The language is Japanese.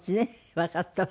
わかったわ。